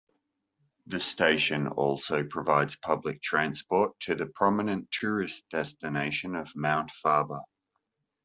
The station also provides public transport to the prominent tourist destination of Mount Faber.